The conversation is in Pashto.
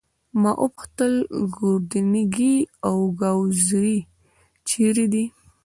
ما وپوښتل: ګوردیني او ګاووزي چيري دي؟